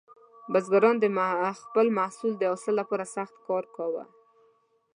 بزګران د خپل محصول د حاصل لپاره سخت کار کاوه.